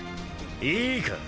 いいか？